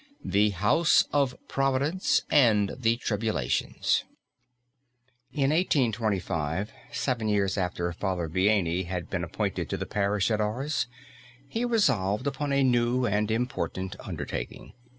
THE "HOUSE OF PROVIDENCE" AND THE TRIBULATIONS. IN 1825, seven years after Father Vianney had been appointed to the parish at Ars, he resolved upon a new and important undertaking.